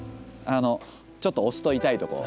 ちょっと押すと痛いとこ。